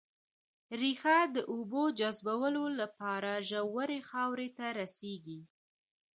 ريښه د اوبو جذبولو لپاره ژورې خاورې ته رسېږي